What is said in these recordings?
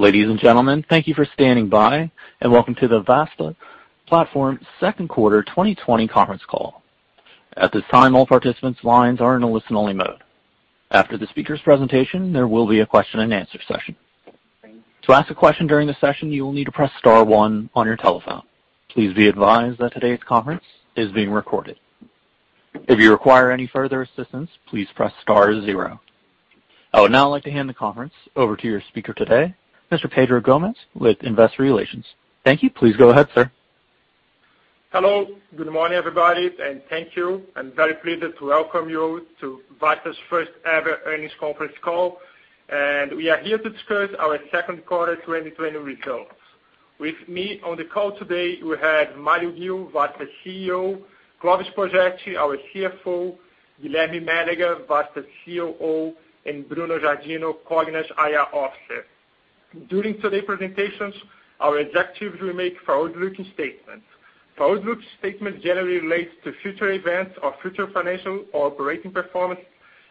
Ladies and gentlemen, thank you for standing by and welcome to the Vasta Platform second quarter 2020 conference call. At this time all participants' lines are in a listen-only mode. After the speakers presentation, there will be a question-and-answer session. To ask a question during the session, you need to press star one on your telephone. Please be advised that today's conference is being recorded. If you require any further assistance, please press star zero. I would now like to hand the conference over to your speaker today, Mr. Pedro Gomes with investor relations. Thank you. Please go ahead, sir. Hello. Good morning, everybody, and thank you. I'm very pleased to welcome you to Vasta's first-ever earnings conference call, and we are here to discuss our second quarter 2020 results. With me on the call today, we have Mário Ghio, Vasta's CEO, Clovis Poggetti, our CFO, Guilherme Mélega, Vasta's COO, and Bruno Giardino, Cogna's IR Officer. During today's presentations, our executives will make forward-looking statements. Forward-looking statements generally relate to future events or future financial or operating performance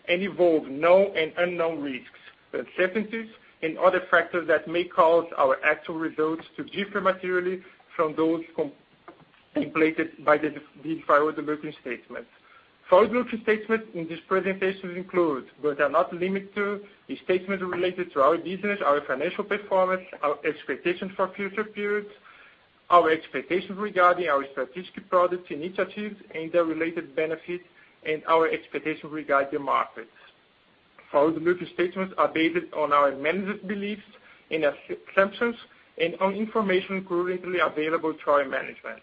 and involve known and unknown risks, uncertainties and other factors that may cause our actual results to differ materially from those contemplated by these forward-looking statements. Forward-looking statements in this presentation include, but are not limited to, the statements related to our business, our financial performance, our expectations for future periods, our expectations regarding our strategic product initiatives and their related benefits, and our expectations regarding the markets. Forward-looking statements are based on our management's beliefs and assumptions and on information currently available to our management.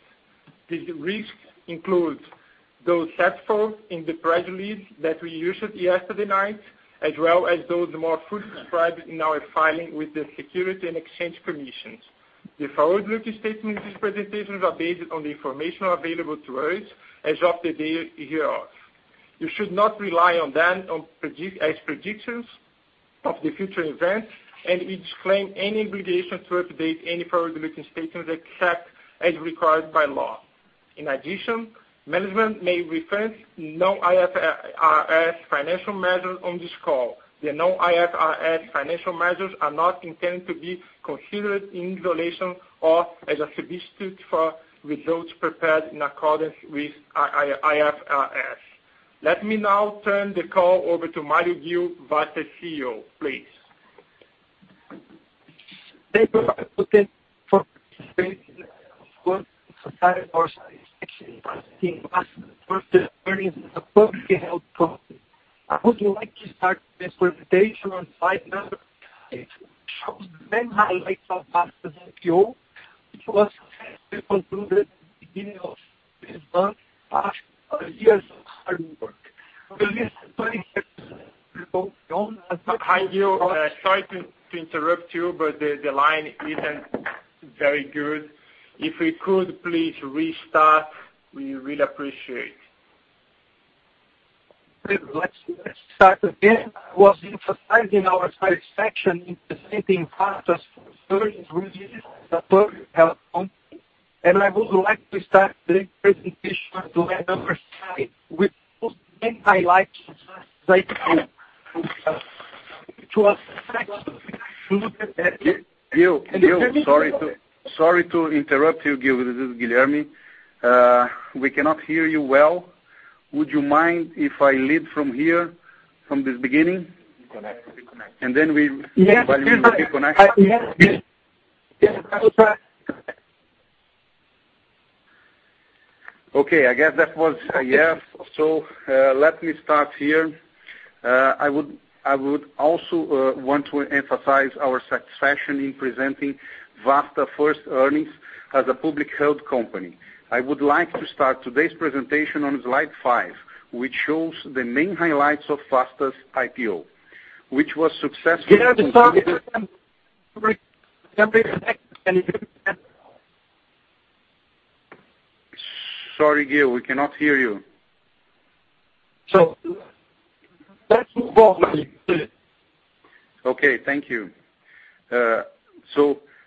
These risks include those set forth in the press release that we issued yesterday night, as well as those more fully described in our filing with the Securities and Exchange Commission. The forward-looking statements in this presentation are based on the information available to us as of the day hereof. You should not rely on them as predictions of the future events, and we disclaim any obligation to update any forward-looking statements except as required by law. In addition, management may reference non-IFRS financial measures on this call. The non-IFRS financial measures are not intended to be considered in isolation or as a substitute for results prepared in accordance with IFRS. Let me now turn the call over to Mário Ghio, Vasta CEO, please. Thank you. I would like to thank you for participating in today's call. We are excited by Vasta's first earnings as a publicly held company. I would like to start the presentation on slide number five, which shows the main highlights of Vasta's IPO, which was successfully concluded at the beginning of this month after years of hard work. We listed 25% of the. Hi, Ghio. Sorry to interrupt you, but the line isn't very good. If we could please restart, we really appreciate. Let's start again. I was emphasizing our satisfaction in presenting Vasta's first earnings as a publicly held company. I would like to start the presentation on slide number five, which shows the main highlights of Vasta's IPO. Ghio, sorry to interrupt you. Ghio, this is Guilherme. We cannot hear you well. Would you mind if I lead from here, from the beginning? Reconnect. Reconnect. And then we- Yes. While you reconnect. Yes. Yes. I will try. Okay. I guess that was a yes. Let me start here. I would also want to emphasize our satisfaction in presenting Vasta first earnings as a publicly held company. I would like to start today's presentation on slide five, which shows the main highlights of Vasta's IPO, which was successfully. Ghio, we still can't hear you. Can you reconnect? Can you hear me now? Sorry, Ghio, we cannot hear you. Let's move on, Mélega, please. Okay. Thank you.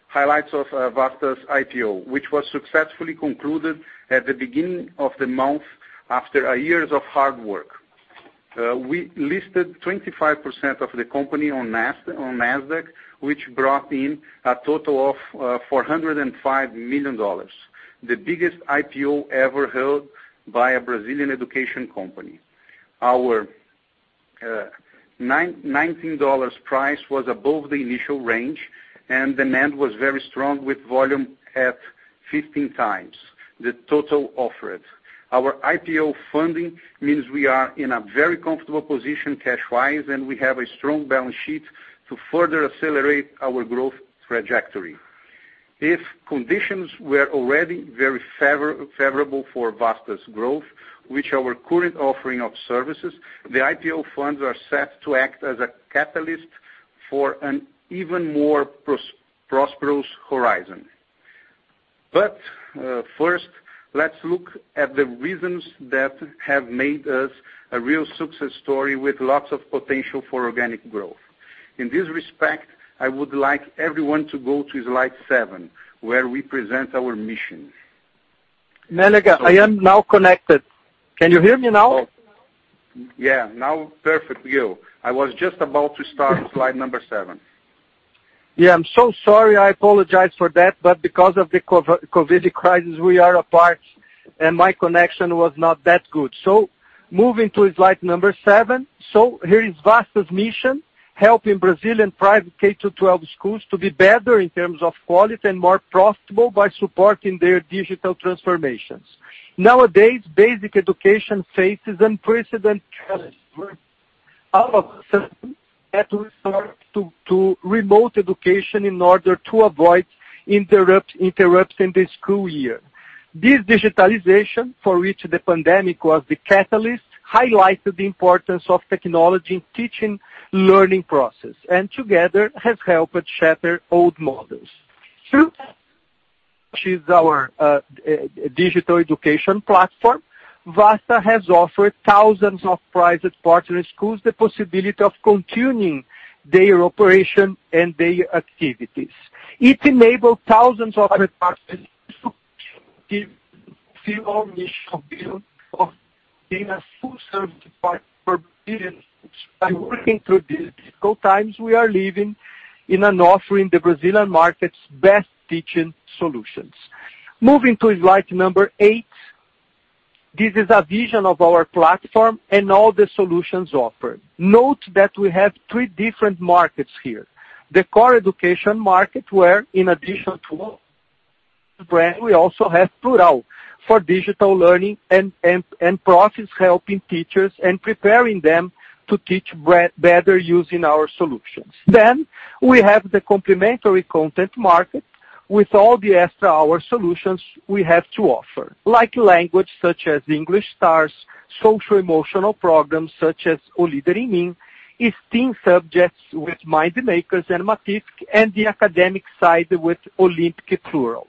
Highlights of Vasta's IPO, which was successfully concluded at the beginning of the month after a year of hard work. We listed 25% of the company on Nasdaq, which brought in a total of $405 million. The biggest IPO ever held by a Brazilian education company. Our $19 price was above the initial range, and demand was very strong with volume at 15x the total offered. Our IPO funding means we are in a very comfortable position cash-wise, and we have a strong balance sheet to further accelerate our growth trajectory. If conditions were already very favorable for Vasta's growth, which our current offering of services, the IPO funds are set to act as a catalyst for an even more prosperous horizon. First, let's look at the reasons that have made us a real success story with lots of potential for organic growth. In this respect, I would like everyone to go to slide seven, where we present our mission. Mélega, I am now connected. Can you hear me now? Yeah. Now perfect, Ghio. I was just about to start slide number seven. I'm so sorry. I apologize for that, but because of the COVID crisis, we are apart, and my connection was not that good. Moving to slide number seven. Here is Vasta's mission: helping Brazilian private K-12 schools to be better in terms of quality and more profitable by supporting their digital transformations. Nowadays, basic education faces unprecedented challenges. All of a sudden, we had to resort to remote education in order to avoid interrupting the school year. This digitalization, for which the pandemic was the catalyst, highlighted the importance of technology in teaching and learning process, and together has helped shatter old models. Through Vasta, which is our digital education platform, Vasta has offered thousands of private partner schools the possibility of continuing their operation and their activities. It enabled thousands of our partners to fulfill our mission of being a full-service partner for Brazilian schools by working through these difficult times we are living in and offering the Brazilian market's best teaching solutions. Moving to slide number eight. This is a vision of our platform and all the solutions offered. Note that we have three different markets here. The core education market, where in addition to the brand, we also have Plurall for digital learning and PROFS, helping teachers and preparing them to teach better using our solutions. We have the complementary content market with all the extra hour solutions we have to offer, like language such as English Stars, social emotional programs such as O Líder em Mim, STEAM subjects with MindMakers and Matific, and the academic side with Olímpico Plurall.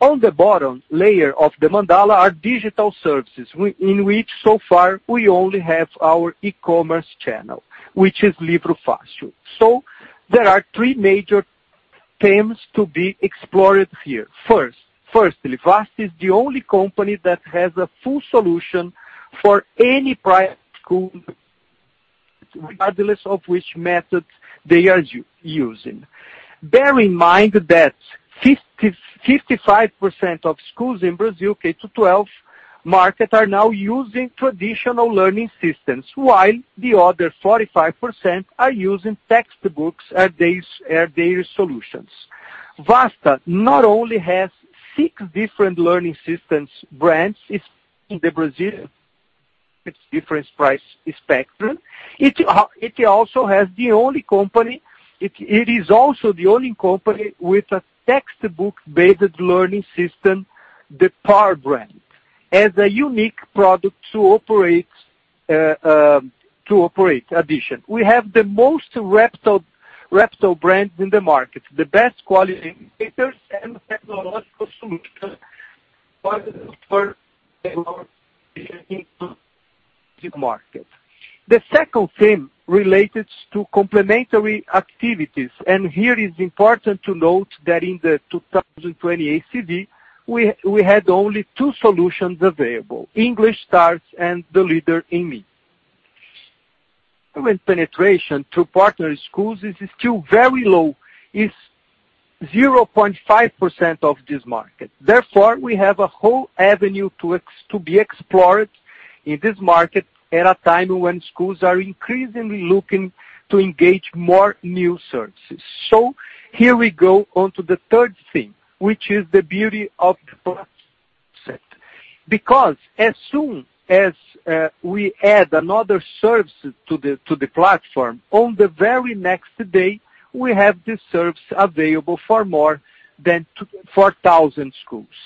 On the bottom layer of the Mandala are digital services, in which so far we only have our e-commerce channel, which is Livro Fácil. There are three major themes to be explored here. Firstly, Vasta is the only company that has a full solution for any private school, regardless of which method they are using. Bear in mind that 55% of schools in Brazil K-12 market are now using traditional learning systems, while the other 45% are using textbooks as their solutions. Vasta not only has six different learning systems brands in the Brazilian different price spectrum. It is also the only company with a textbook-based learning system, the PAR brand, as a unique product to operate addition. We have the most reputable brands in the market, the best quality and technological solutions for the North American market. The second theme relates to complementary activities, and here is important to note that in the 2020 ACV, we had only two solutions available: English Stars and The Leader in Me. Penetration through partner schools is still very low, it's 0.5% of this market. Therefore, we have a whole avenue to be explored in this market at a time when schools are increasingly looking to engage more new services. Here we go on to the third theme, which is the beauty of the Vasta Platform. Because as soon as we add another service to the platform, on the very next day, we have the service available for more than 4,000 schools.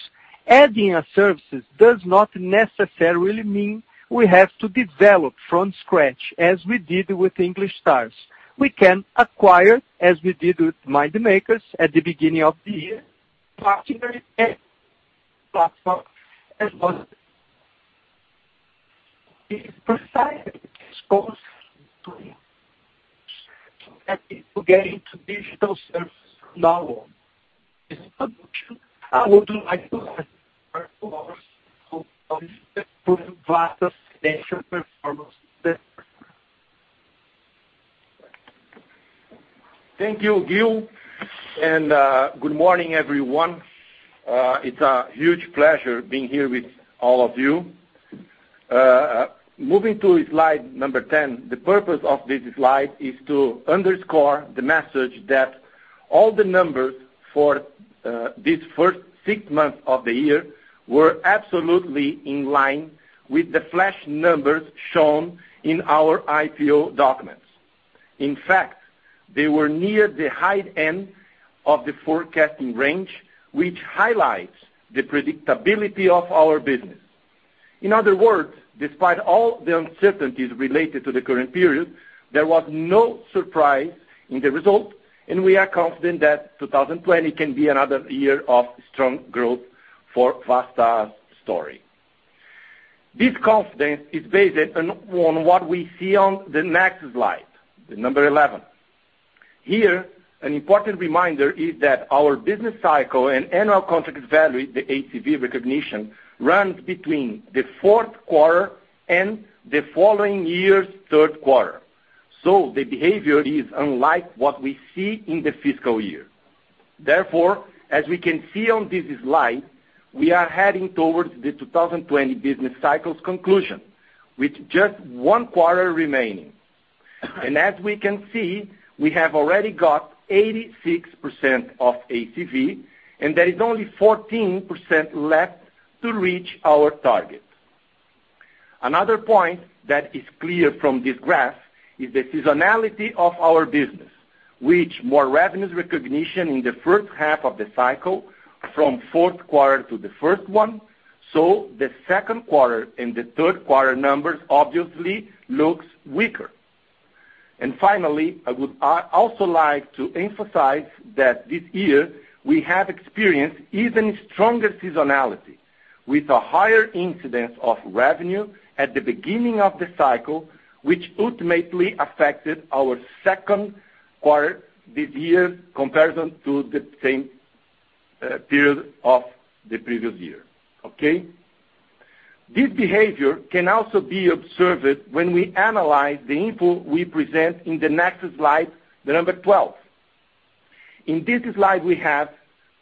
Adding a service does not necessarily mean we have to develop from scratch as we did with English Stars. We can acquire, as we did with MindMakers at the beginning of the year, partnering platform as well. This solution I would like to hand over to Clovis, who will discuss Vasta's financial performance this quarter. Thank you, Ghio. Good morning, everyone. It's a huge pleasure being here with all of you. Moving to slide number 10, the purpose of this slide is to underscore the message that all the numbers for this first six months of the year were absolutely in line with the flash numbers shown in our IPO documents. In fact, they were near the high end of the forecasting range, which highlights the predictability of our business. In other words, despite all the uncertainties related to the current period, there was no surprise in the result, and we are confident that 2020 can be another year of strong growth for Vasta's story. This confidence is based on what we see on the next slide, the number 11. Here, an important reminder is that our business cycle and annual contract value, the ACV recognition, runs between the fourth quarter and the following year's third quarter. The behavior is unlike what we see in the fiscal year. Therefore, as we can see on this slide, we are heading towards the 2020 business cycle's conclusion, with just one quarter remaining. As we can see, we have already got 86% of ACV, and there is only 14% left to reach our target. Another point that is clear from this graph is the seasonality of our business, with more revenues recognition in the first half of the cycle from fourth quarter to the first one, so the second quarter and the third quarter numbers obviously looks weaker. Finally, I would also like to emphasize that this year we have experienced even stronger seasonality, with a higher incidence of revenue at the beginning of the cycle, which ultimately affected our second quarter this year comparison to the same period of the previous year. Okay? This behavior can also be observed when we analyze the info we present in the next slide, the number 12. In this slide we have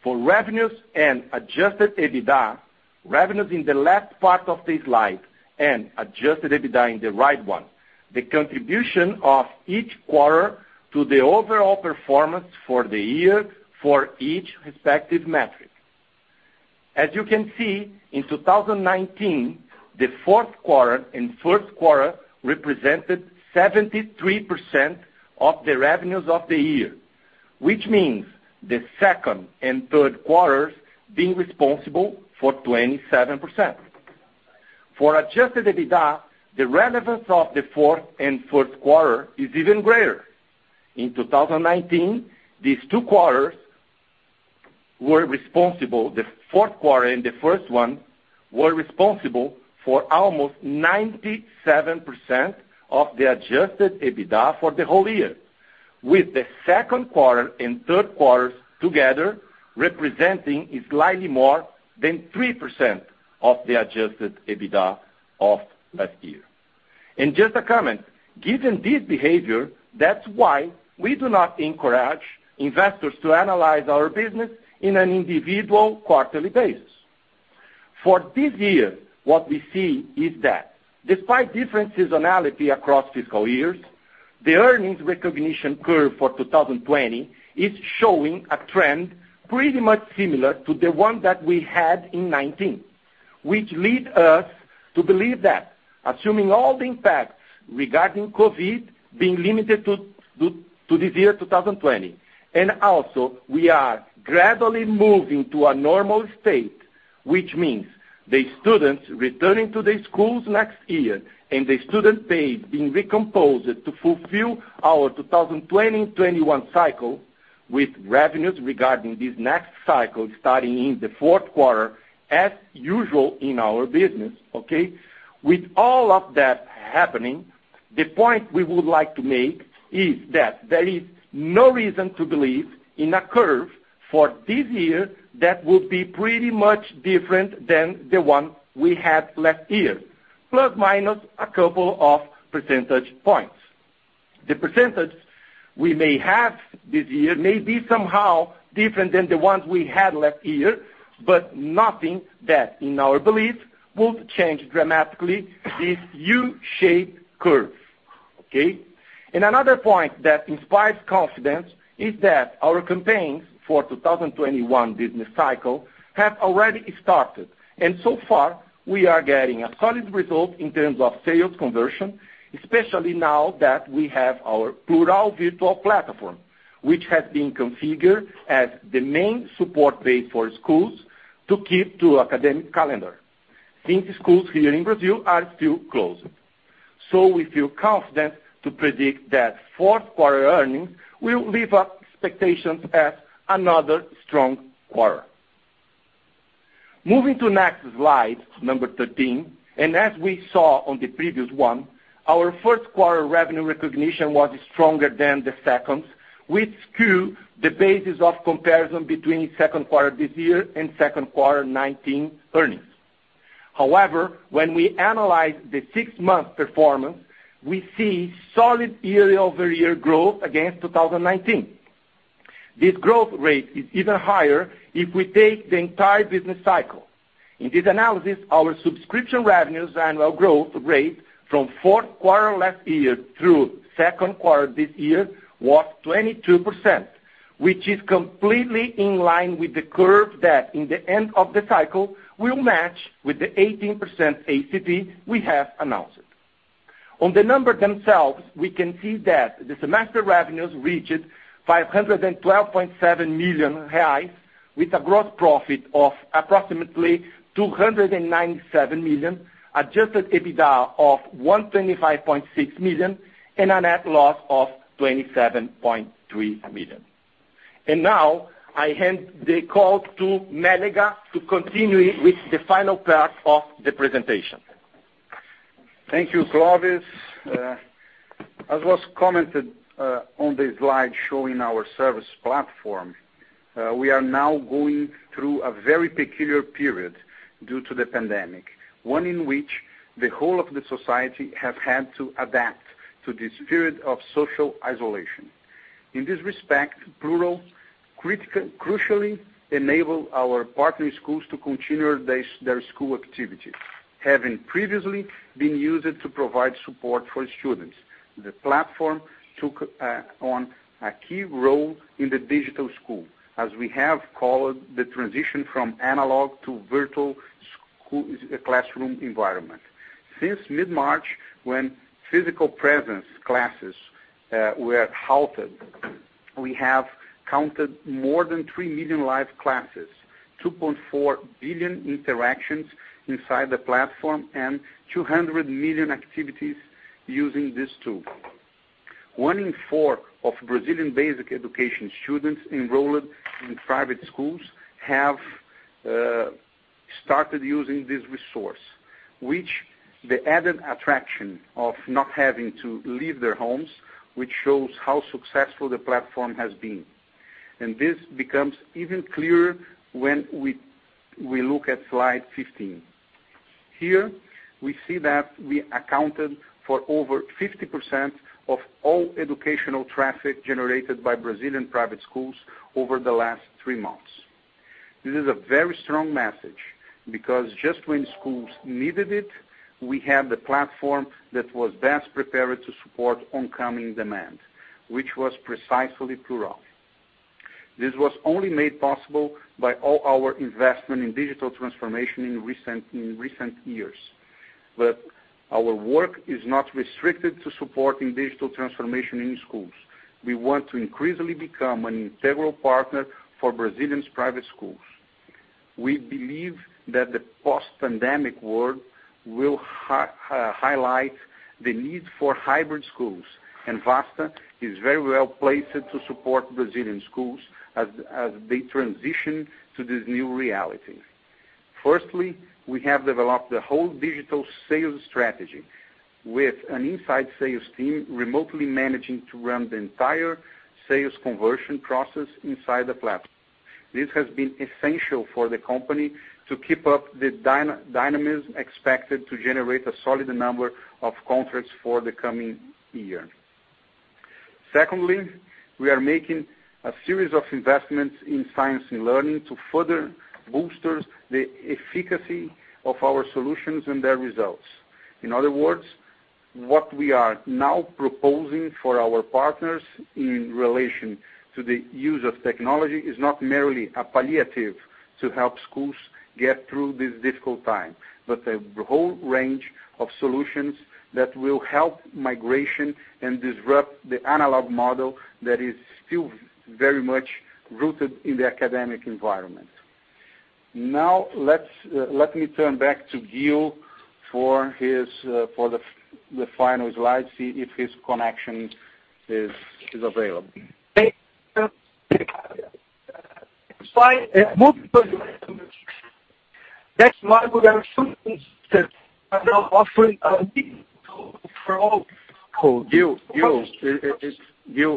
for revenues and adjusted EBITDA, revenues in the left part of the slide and adjusted EBITDA in the right one, the contribution of each quarter to the overall performance for the year for each respective metric. As you can see, in 2019, the fourth quarter and first quarter represented 73% of the revenues of the year, which means the second and third quarters being responsible for 27%. For adjusted EBITDA, the relevance of the fourth and first quarter is even greater. In 2019, these two quarters were responsible, the fourth quarter and the first one, were responsible for almost 97% of the adjusted EBITDA for the whole year, with the second quarter and third quarters together representing slightly more than 3% of the adjusted EBITDA of last year. Just a comment, given this behavior, that's why we do not encourage investors to analyze our business in an individual quarterly basis. For this year, what we see is that despite different seasonality across fiscal years, the earnings recognition curve for 2020 is showing a trend pretty much similar to the one that we had in 2019, which lead us to believe that assuming all the impacts regarding COVID-19 being limited to this year, 2020, and also we are gradually moving to a normal state, which means the students returning to the schools next year and the student pace being recomposed to fulfill our 2020/2021 cycle with revenues regarding this next cycle starting in the fourth quarter as usual in our business, okay? With all of that happening, the point we would like to make is that there is no reason to believe in a curve for this year that will be pretty much different than the one we had last year, plus minus a couple of percentage points. The percentage we may have this year may be somehow different than the ones we had last year, but nothing that, in our belief, would change dramatically this U-shaped curve. Okay. Another point that inspires confidence is that our campaigns for 2021 business cycle have already started, and so far we are getting a solid result in terms of sales conversion, especially now that we have our Plurall virtual platform, which has been configured as the main support base for schools to keep to academic calendar since schools here in Brazil are still closed. We feel confident to predict that fourth quarter earnings will live up expectations as another strong quarter. Moving to next slide, number 13. As we saw on the previous one, our first quarter revenue recognition was stronger than the second, which skew the basis of comparison between second quarter this year and second quarter 2019 earnings. When we analyze the six-month performance, we see solid year-over-year growth against 2019. This growth rate is even higher if we take the entire business cycle. In this analysis, our subscription revenues annual growth rate from fourth quarter last year through second quarter this year was 22%, which is completely in line with the curve that in the end of the cycle will match with the 18% ACV we have announced. On the number themselves, we can see that the semester revenues reached 512.7 million reais with a gross profit of approximately 297 million, adjusted EBITDA of 125.6 million and a net loss of 27.3 million. Now I hand the call to Mélega to continue with the final part of the presentation. Thank you, Clovis. As was commented on the slide showing our service platform, we are now going through a very peculiar period due to the pandemic, one in which the whole of the society has had to adapt to this period of social isolation. In this respect, Plurall crucially enabled our partner schools to continue their school activities, having previously been used to provide support for students. The platform took on a key role in the digital school, as we have called the transition from analog to virtual classroom environment. Since mid-March, when physical presence classes were halted, we have counted more than 3 million live classes, 2.4 billion interactions inside the platform, and 200 million activities using this tool. One in four of Brazilian basic education students enrolled in private schools have started using this resource, with the added attraction of not having to leave their homes, which shows how successful the platform has been. This becomes even clearer when we look at slide 15. Here, we see that we accounted for over 50% of all educational traffic generated by Brazilian private schools over the last three months. This is a very strong message because just when schools needed it, we had the platform that was best prepared to support oncoming demand, which was precisely Plurall. This was only made possible by all our investment in digital transformation in recent years. Our work is not restricted to supporting digital transformation in schools. We want to increasingly become an integral partner for Brazilian private schools. We believe that the post-pandemic world will highlight the need for hybrid schools, and Vasta is very well-placed to support Brazilian schools as they transition to this new reality. Firstly, we have developed a whole digital sales strategy with an inside sales team remotely managing to run the entire sales conversion process inside the platform. This has been essential for the company to keep up the dynamism expected to generate a solid number of contracts for the coming year. Secondly, we are making a series of investments in science and learning to further boost the efficacy of our solutions and their results. In other words, what we are now proposing for our partners in relation to the use of technology is not merely a palliative to help schools get through this difficult time, but a whole range of solutions that will help migration and disrupt the analog model that is still very much rooted in the academic environment. Let me turn back to Ghio for the final slide, see if his connection is available. Ghio,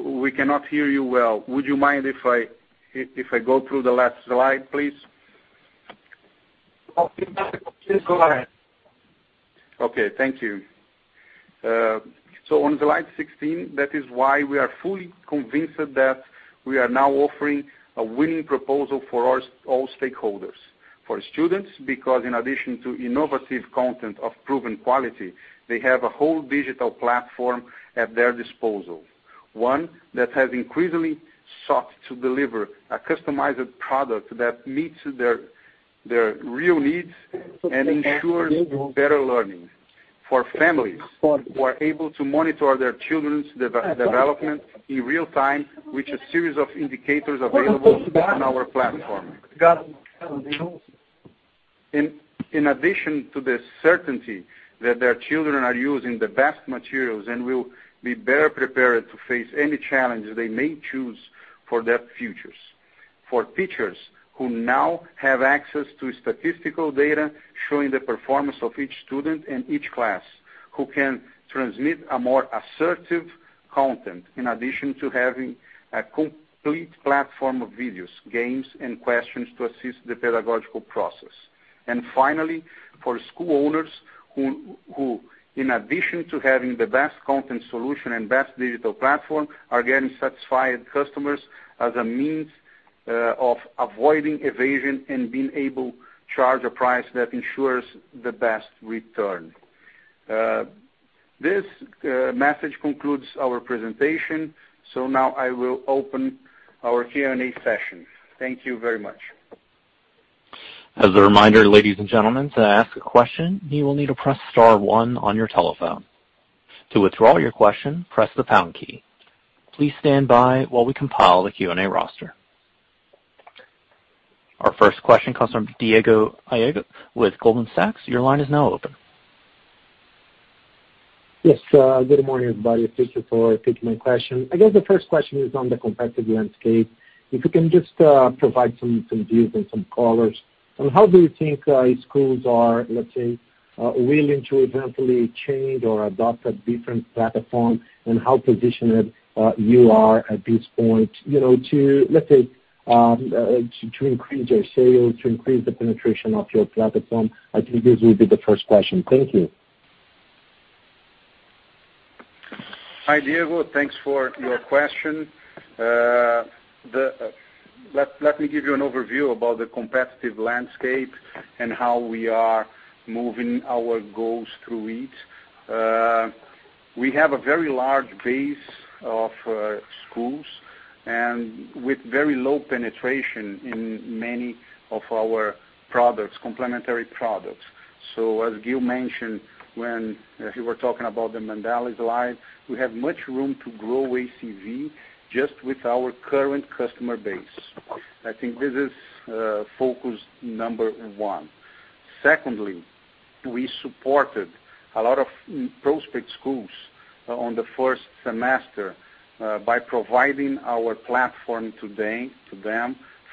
we cannot hear you well. Would you mind if I go through the last slide, please? Please go ahead. Okay. Thank you. On slide 16, that is why we are fully convinced that we are now offering a winning proposal for all stakeholders. For students, because in addition to innovative content of proven quality, they have a whole digital platform at their disposal. One that has increasingly sought to deliver a customized product that meets their real needs and ensures better learning. For families who are able to monitor their children's development in real-time, with a series of indicators available on our platform. In addition to the certainty that their children are using the best materials and will be better prepared to face any challenges they may choose for their futures. For teachers who now have access to statistical data showing the performance of each student and each class, who can transmit a more assertive content, in addition to having a complete platform of videos, games, and questions to assist the pedagogical process. Finally, for school owners, who in addition to having the best content solution and best digital platform, are getting satisfied customers as a means of avoiding evasion and being able to charge a price that ensures the best return. This message concludes our presentation. Now I will open our Q&A session. Thank you very much. As a reminder ladies and gentlemen, to ask a question you will need to press star one on your telephone. To withdraw your question press the pound key. Please stand by while we compile the Q&A roster. Our first question comes from Diego Aragão with Goldman Sachs. Your line is now open Yes. Good morning, everybody. Thank you for taking my question. I guess the first question is on the competitive landscape. If you can just provide some views and some colors on how do you think schools are, let's say, willing to eventually change or adopt a different platform, and how positioned you are at this point to, let's say, to increase your sales, to increase the penetration of your platform? I think this will be the first question. Thank you. Hi, Diego. Thanks for your question. Let me give you an overview about the competitive landscape and how we are moving our goals through it. We have a very large base of schools and with very low penetration in many of our products, complementary products. As Ghio mentioned, when you were talking about the Mandala slide, we have much room to grow ACV just with our current customer base. I think this is focus number one. Secondly, we supported a lot of prospect schools on the first semester by providing our platform to them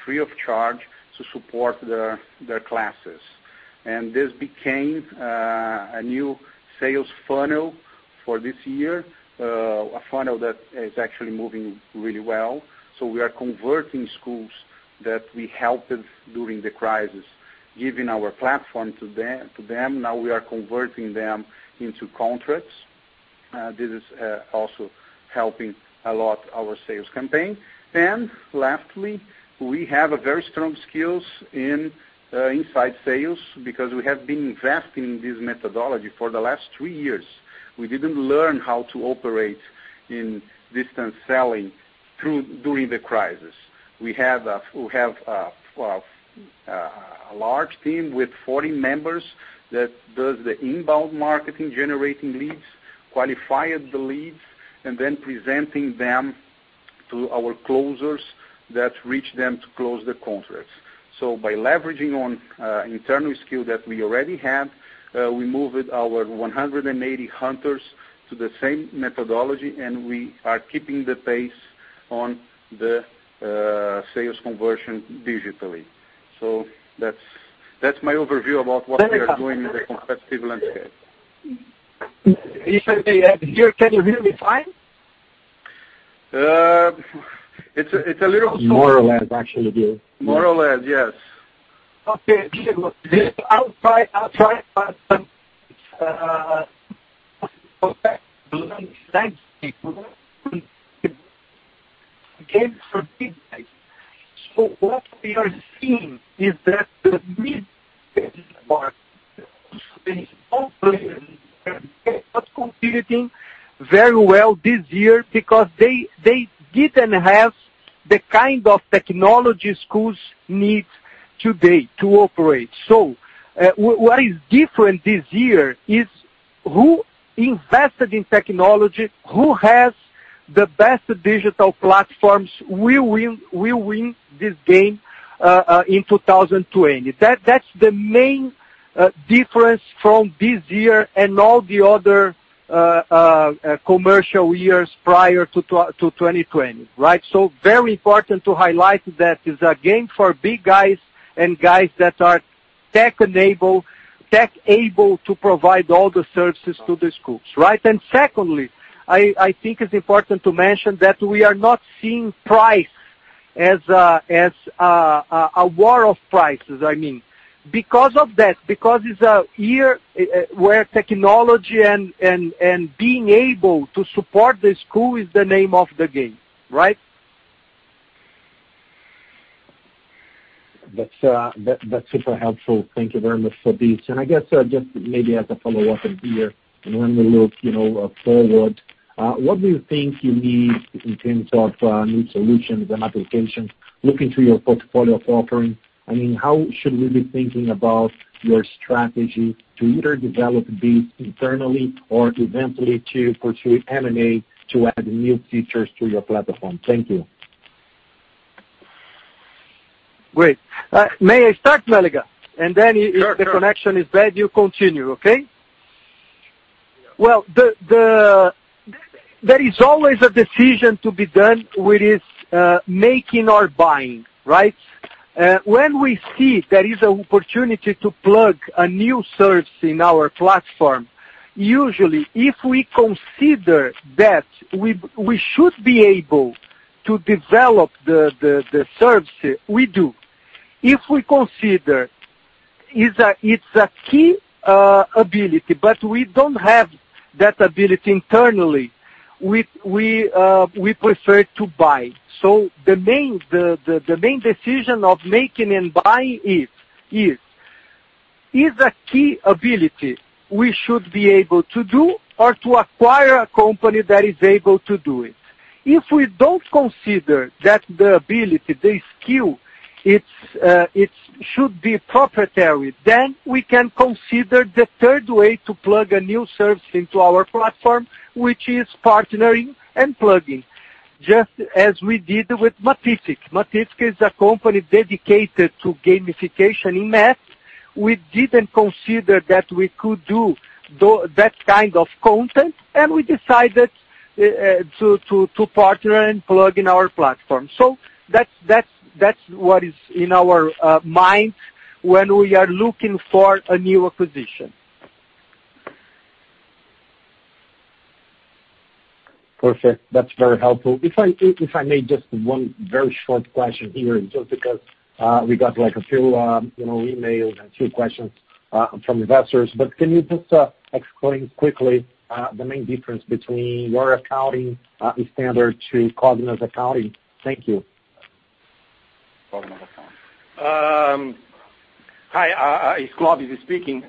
free of charge to support their classes. This became a new sales funnel for this year, a funnel that is actually moving really well. We are converting schools that we helped during the crisis, giving our platform to them. Now we are converting them into contracts. This is also helping a lot our sales campaign. Lastly, we have a very strong skills in inside sales because we have been investing in this methodology for the last three years. We didn't learn how to operate in distance selling during the crisis. We have a large team with 40 members that does the inbound marketing, generating leads, qualifying the leads, and then presenting them to our closers that reach them to close the contracts. By leveraging on internal skill that we already have, we moved our 180 hunters to the same methodology, and we are keeping the pace on the sales conversion digitally. That's my overview about what we are doing in the competitive landscape. If I may add here, can you hear me fine? It's a little- More or less, actually, Ghio. More or less, yes. Okay, Diego. I'll try. What we are seeing is that the mid-market, the small players, they are not competing very well this year because they didn't have the kind of technology schools need today to operate. What is different this year is who invested in technology, who has the best digital platforms, will win this game in 2020. That's the main difference from this year and all the other commercial years prior to 2020, right? Very important to highlight that is a game for big guys and guys that are tech-enabled, tech-able to provide all the services to the schools, right? Secondly, I think it's important to mention that we are not seeing price as a war of prices, I mean. Because of that, because it's a year where technology and being able to support the school is the name of the game, right? That's super helpful. Thank you very much for this. I guess just maybe as a follow-up here, when we look forward, what do you think you need in terms of new solutions and applications looking through your portfolio of offering? I mean, how should we be thinking about your strategy to either develop these internally or to eventually to pursue M&A to add new features to your platform? Thank you. Great. May I start, Mélega? If the connection is bad, you continue, okay? Well, there is always a decision to be done with making or buying, right? When we see there is an opportunity to plug a new service in our platform, usually, if we consider that we should be able to develop the service, we do. If we consider it's a key ability, but we don't have that ability internally, we prefer to buy. The main decision of making and buying is a key ability we should be able to do or to acquire a company that is able to do it. If we don't consider that the ability, the skill, it should be proprietary, then we can consider the third way to plug a new service into our platform, which is partnering and plugging. Just as we did with Matific. Matific is a company dedicated to gamification in math. We didn't consider that we could do that kind of content, and we decided to partner and plug in our platform. That's what is in our mind when we are looking for a new acquisition. Perfect. That's very helpful. If I may, just one very short question here, just because we got a few emails and a few questions from investors. Can you just explain quickly the main difference between your accounting standard to Cogna's accounting? Thank you. Cogna's accounting. Hi, it's Clovis speaking.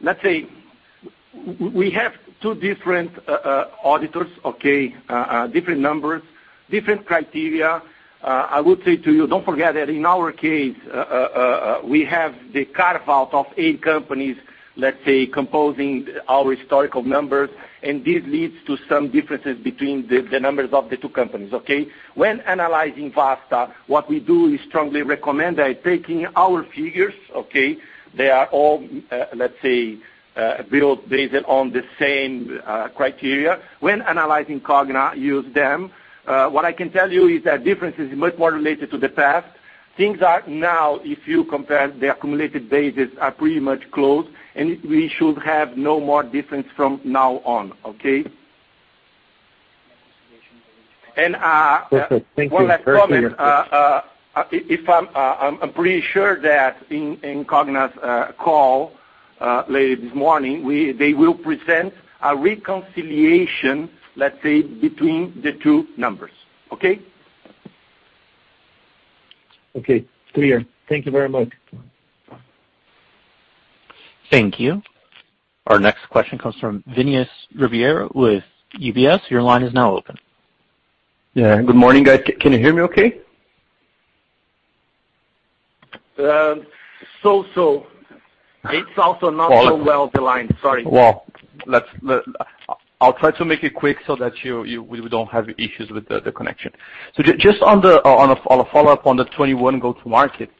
Let's say, we have two different auditors, okay? Different numbers, different criteria. I would say to you, don't forget that in our case, we have the carve-out of eight companies, let's say, composing our historical numbers, and this leads to some differences between the numbers of the two companies, okay? When analyzing Vasta, what we do is strongly recommend taking our figures, okay? They are all, let's say, built based on the same criteria. When analyzing Cogna, use them. What I can tell you is that difference is much more related to the past. Things are now, if you compare the accumulated bases, are pretty much close, and we should have no more difference from now on, okay? Perfect. Thank you very much. One last comment. I'm pretty sure that in Cogna's call later this morning, they will present a reconciliation, let's say, between the two numbers. Okay? Okay, clear. Thank you very much. Thank you. Our next question comes from Vinicius Ribeiro with UBS. Yeah. Good morning, guys. Can you hear me okay? It's also not so well the line. Sorry. I'll try to make it quick so that we don't have issues with the connection. Just on a follow-up on the 2021 go-to-market,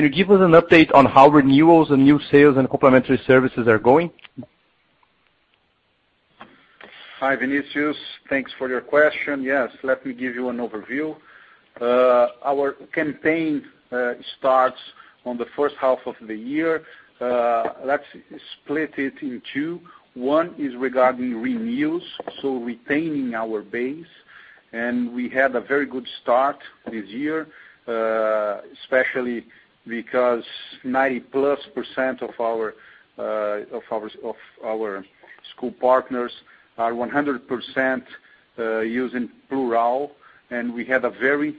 can you give us an update on how renewals and new sales and complementary services are going? Hi, Vinicius. Thanks for your question. Yes, let me give you an overview. Our campaign starts on the first half of the year. Let's split it in two. One is regarding renewals, so retaining our base. We had a very good start this year, especially because 90%+ of our school partners are 100% using Plurall. We had a very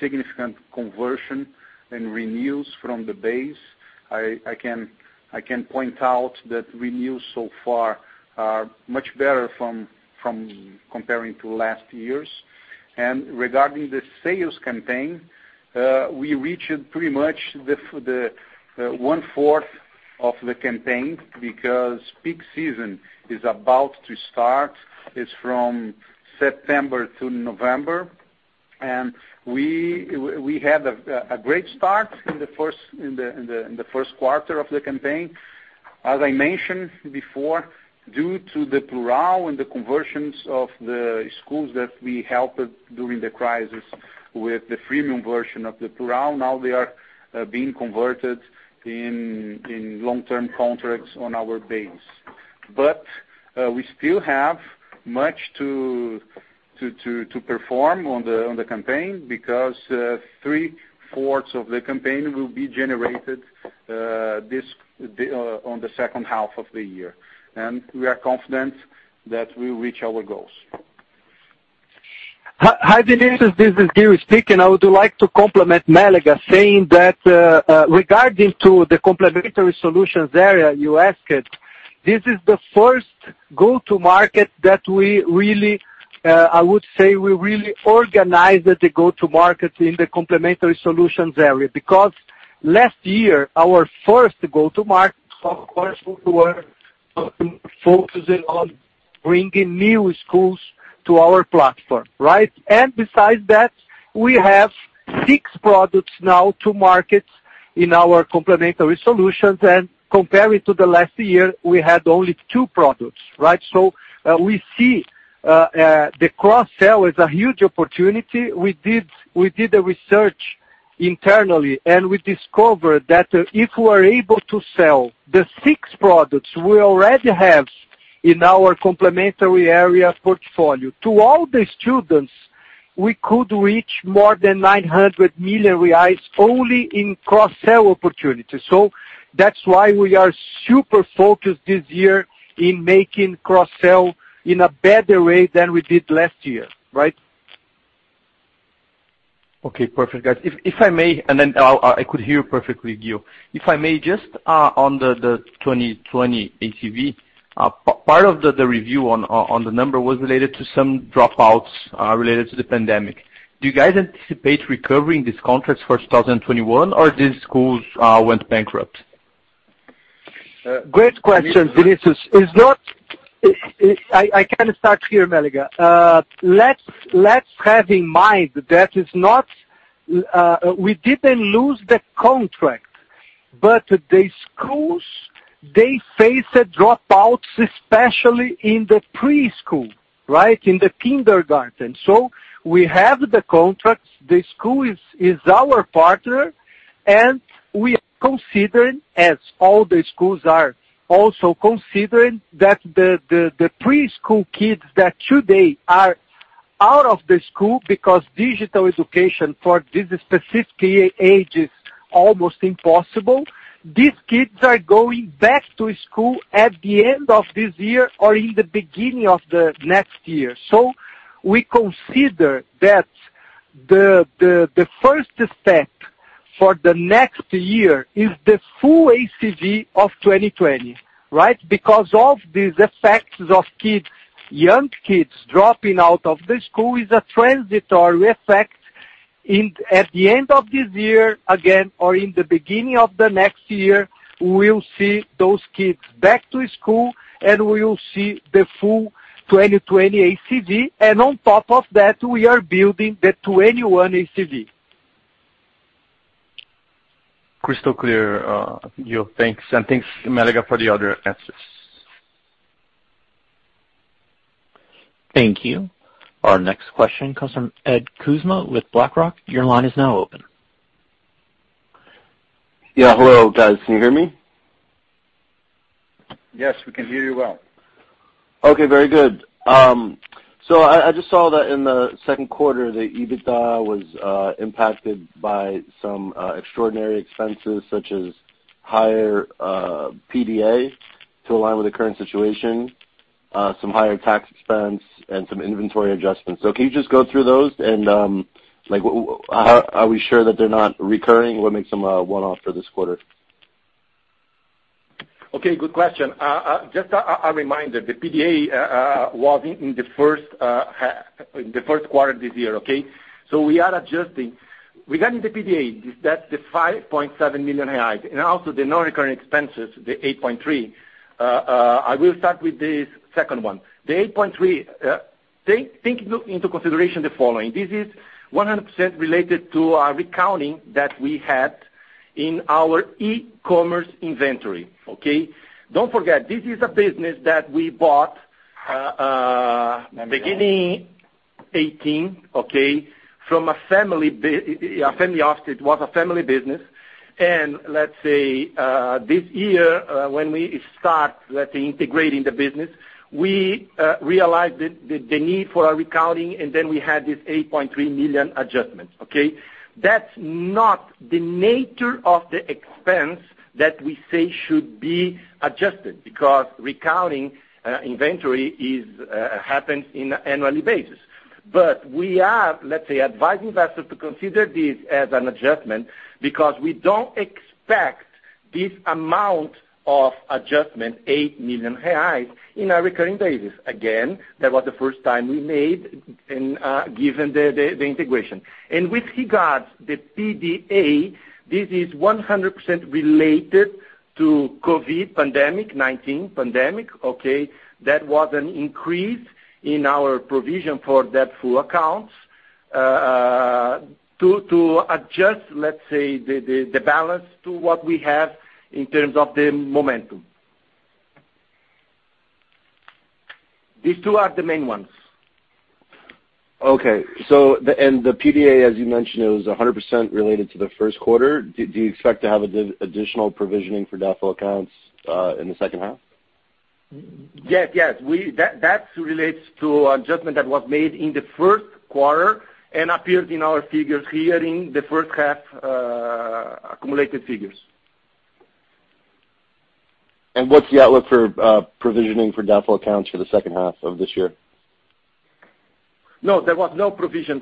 significant conversion in renewals from the base. I can point out that renewals so far are much better from comparing to last year's. Regarding the sales campaign, we reached pretty much the 1/4 of the campaign because peak season is about to start. It's from September to November. We had a great start in the first quarter of the campaign. As I mentioned before, due to the Plurall and the conversions of the schools that we helped during the crisis with the freemium version of the Plurall, now they are being converted in long-term contracts on our base. We still have much to perform on the campaign because 3/4 of the campaign will be generated on the second half of the year. We are confident that we'll reach our goals. Hi, Vinicius, this is Ghio speaking. I would like to compliment Mélega saying that, regarding to the complementary solutions area you asked, this is the first go-to market that we really, I would say, we really organized the go-to market in the complementary solutions area. Last year, our first go-to market, of course, we were focusing on bringing new schools to our platform, right? Besides that, we have six products now to market in our complementary solutions. Comparing to the last year, we had only two products, right? We see the cross-sell is a huge opportunity. We did the research internally, and we discovered that if we're able to sell the six products we already have in our complementary area portfolio to all the students, we could reach more than 900 million reais only in cross-sell opportunities. That's why we are super focused this year on making cross-sell in a better way than we did last year, right? Okay. Perfect, guys. If I may, I could hear perfectly you. If I may just, on the 2020 ACV, part of the review on the number was related to some dropouts related to the pandemic. Do you guys anticipate recovering these contracts for 2021, or these schools went bankrupt? Great question, Vinicius. I can start here, Mélega. Let's have in mind that we didn't lose the contract, but the schools, they face dropouts, especially in the preschool. In the kindergarten. We have the contracts. The school is our partner, and we are considering, as all the schools are also considering, that the preschool kids that today are out of the school because digital education for this specific age is almost impossible, these kids are going back to school at the end of this year or in the beginning of the next year. We consider that the first step for the next year is the full ACV of 2020. Because of these effects of young kids dropping out of the school is a transitory effect. At the end of this year, again, or in the beginning of the next year, we will see those kids back to school, and we will see the full 2020 ACV. On top of that, we are building the 2021 ACV. Crystal clear, Ghio. Thanks. Thanks, Mélega, for the other answers. Thank you. Our next question comes from Ed Kuczma with BlackRock. Your line is now open. Yeah. Hello, guys. Can you hear me? Yes, we can hear you well. Okay, very good. I just saw that in the second quarter, the EBITDA was impacted by some extraordinary expenses such as higher PDA to align with the current situation, some higher tax expense, and some inventory adjustments. Can you just go through those and are we sure that they're not recurring? What makes them a one-off for this quarter? Okay. Good question. Just a reminder, the PDA was in the first quarter this year. We are adjusting. Regarding the PDA, that's the 5.7 million, and also the non-recurring expenses, the 8.3. I will start with the second one. The 8.3, take into consideration the following: this is 100% related to a recounting that we had in our e-commerce inventory. Don't forget, this is a business that we bought beginning 2018 from a family office. It was a family business. Let's say, this year, when we start integrating the business, we realized the need for a recounting, and then we had this 8.3 million adjustment. That's not the nature of the expense that we say should be adjusted, because recounting inventory happens in annually basis. We are, let's say, advise investors to consider this as an adjustment because we don't expect this amount of adjustment, 8 million reais, in a recurring basis. That was the first time we made and given the integration. With regards the PDA, this is 100% related to COVID-19 pandemic. That was an increase in our provision for doubtful accounts to adjust the balance to what we have in terms of the momentum. These two are the main ones. Okay. The PDA, as you mentioned, it was 100% related to the first quarter. Do you expect to have additional provisioning for doubtful accounts in the second half? Yes. That relates to adjustment that was made in the first quarter and appeared in our figures here in the first half accumulated figures. What's the outlook for provisioning for doubtful accounts for the second half of this year? No, there was no provision.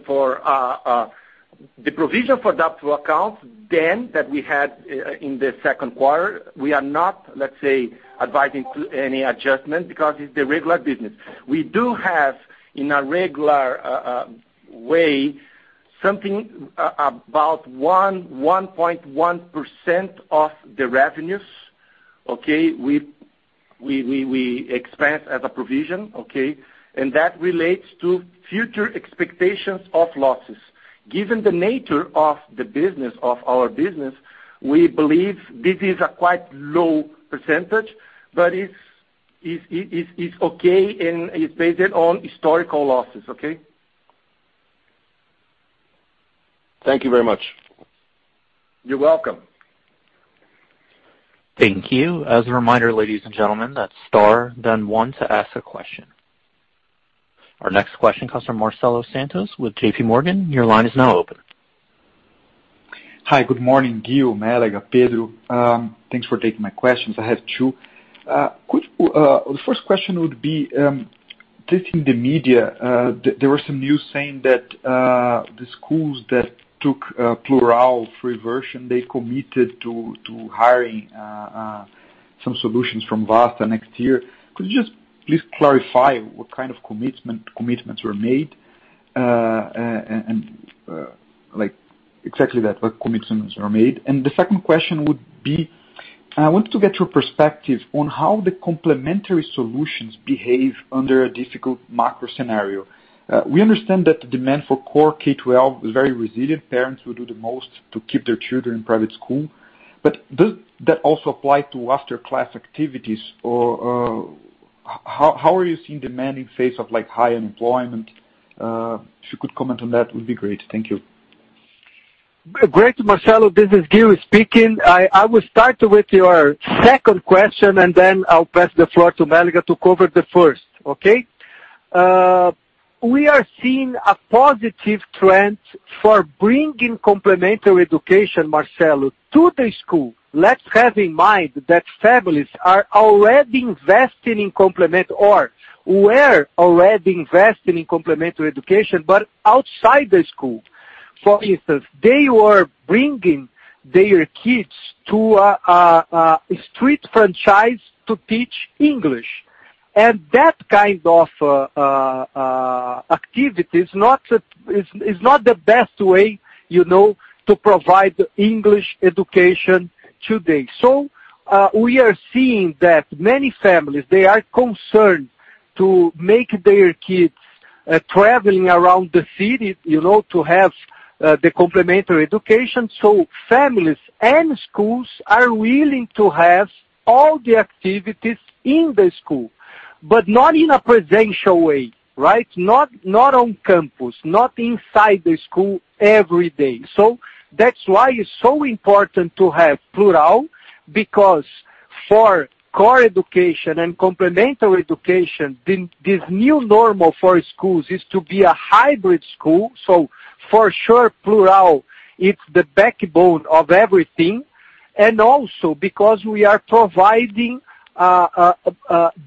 The provision for doubtful accounts that we had in the second quarter, we are not advising to any adjustment because it's the regular business. We do have, in a regular way, something about 1.1% of the revenues. We expense as a provision. That relates to future expectations of losses. Given the nature of our business, we believe this is a quite low percentage, but it's okay, and it's based on historical losses. Thank you very much. You're welcome. Thank you. As a reminder, ladies and gentlemen, that's star then one to ask a question. Our next question comes from Marcelo Santos with JPMorgan. Your line is now open. Hi, good morning, Ghio, Mélega, Pedro. Thanks for taking my questions. I have two. The first question would be, just in the media, there was some news saying that the schools that took Plurall free version, they committed to hiring some solutions from Vasta next year. Could you just please clarify what kind of commitments were made? Exactly that, what commitments are made. The second question would be, I wanted to get your perspective on how the complementary solutions behave under a difficult macro scenario. We understand that the demand for core K-12 is very resilient. Parents will do the most to keep their children in private school. Does that also apply to after-class activities? How are you seeing demand in face of high unemployment? If you could comment on that, would be great. Thank you. Great, Marcelo. This is Ghio speaking. I will start with your second question and then I'll pass the floor to Mélega to cover the first. Okay? We are seeing a positive trend for bringing complementary education, Marcelo, to the school. Let's have in mind that families are already investing in complementary, or were already investing in complementary education, but outside the school. For instance, they were bringing their kids to a street franchise to teach English. That kind of activity is not the best way to provide English education today. We are seeing that many families, they are concerned to make their kids traveling around the city to have the complementary education. Families and schools are willing to have all the activities in the school, but not in a presential way, right? Not on campus, not inside the school every day. That's why it's so important to have Plurall, because for core education and complementary education, this new normal for schools is to be a hybrid school. For sure, Plurall, it's the backbone of everything, and also because we are providing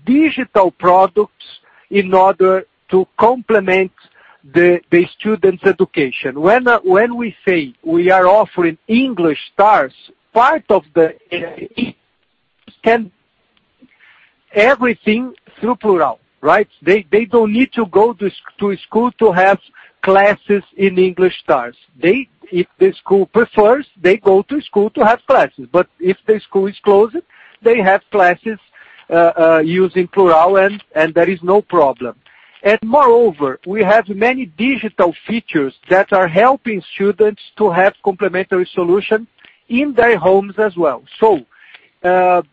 digital products in order to complement the students' education. When we say we are offering English Stars, part of the everything through Plurall. Right? They don't need to go to school to have classes in English Stars. If the school prefers, they go to school to have classes. If the school is closed, they have classes using Plurall, and there is no problem. Moreover, we have many digital features that are helping students to have complementary solution in their homes as well. In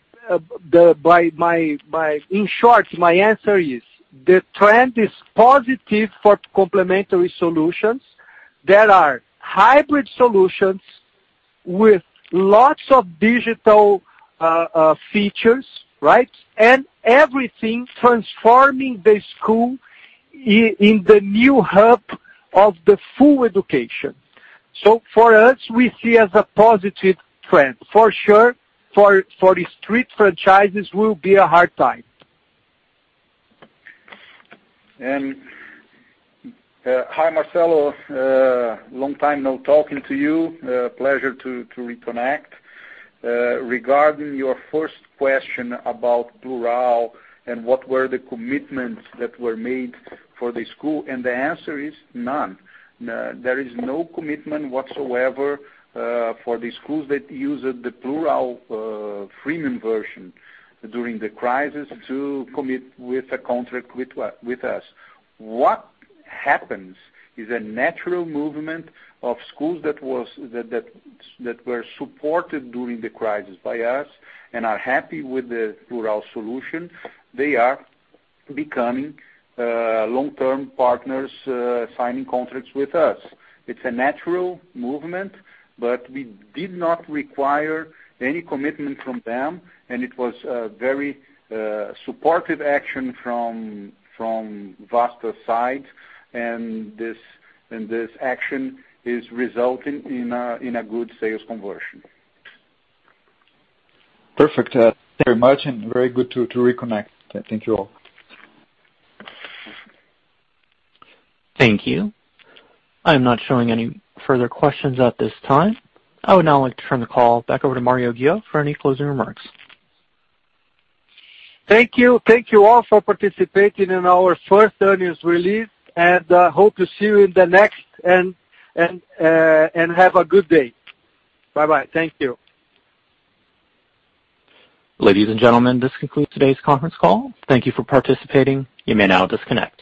short, my answer is the trend is positive for complementary solutions that are hybrid solutions with lots of digital features, right? Everything transforming the school in the new hub of the full education. For us, we see as a positive trend. For sure, for street franchises will be a hard time. Hi, Marcelo. Long time no talking to you. Pleasure to reconnect. Regarding your first question about Plurall and what were the commitments that were made for the school, the answer is none. There is no commitment whatsoever for the schools that use the Plurall freemium version during the crisis to commit with a contract with us. What happens is a natural movement of schools that were supported during the crisis by us and are happy with the Plurall solution. They are becoming long-term partners signing contracts with us. It's a natural movement, but we did not require any commitment from them, it was a very supportive action from Vasta's side. This action is resulting in a good sales conversion. Perfect. Thank you very much and very good to reconnect. Thank you all. Thank you. I'm not showing any further questions at this time. I would now like to turn the call back over to Mário Ghio for any closing remarks. Thank you. Thank you all for participating in our first earnings release, and hope to see you in the next. Have a good day. Bye-bye. Thank you. Ladies and gentlemen, this concludes today's conference call. Thank you for participating. You may now disconnect.